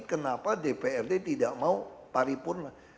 kenapa dprd tidak mau paripurna